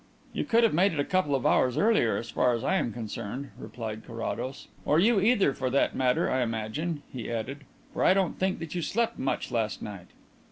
"You could have made it a couple of hours earlier as far as I am concerned," replied Carrados. "Or you either for that matter, I imagine," he added, "for I don't think that you slept much last night."